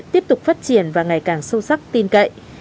tiếp tục phát triển và ngày càng sâu sắc tin cậy